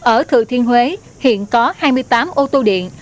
ở thừa thiên huế hiện có hai mươi tám ô tô điện